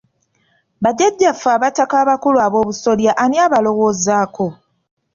Bajajjaffe abataka abakulu ab'obusolya ani abalowoozaako?